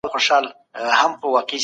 هغوی خپل تېر ژوند ویني.